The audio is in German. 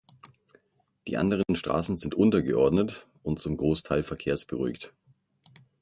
Die anderen Straßen sind untergeordnet und zum Großteil verkehrsberuhigt.